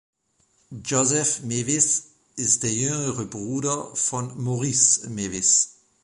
Joseph Mewis ist der jüngere Bruder von Maurice Mewis.